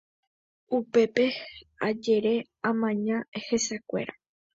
Upépe ajere amaña hesekuéra.